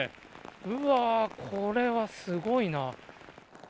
うわー、これはすごいな。